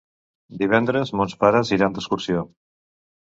Divendres mons pares iran d'excursió.